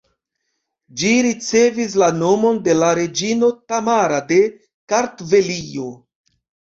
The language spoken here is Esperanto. Ĝi ricevis la nomon de la reĝino Tamara de Kartvelio.